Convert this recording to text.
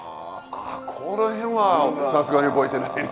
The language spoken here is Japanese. ああこの辺はさすがに覚えてないね。